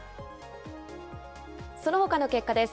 そのほかの結果です。